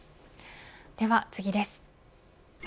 では次です。